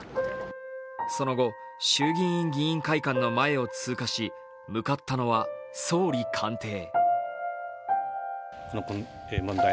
その後、衆議院議員会館の前を通過し向かったのは総理官邸。